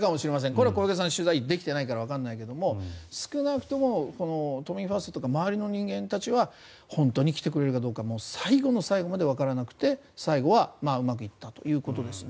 これは小池さんを取材できていないからわからないけれど少なくとも都民ファーストとか周りの人間たちは本当に来てくれるかどうか最後の最後までわからなくて最後はうまくいったということですね。